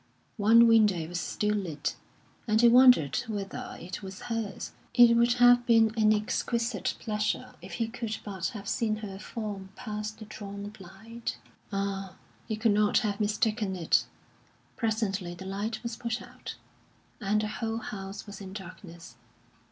One window was still lit, and he wondered whether it was hers; it would have been an exquisite pleasure if he could but have seen her form pass the drawn blind. Ah, he could not have mistaken it! Presently the light was put out, and the whole house was in darkness.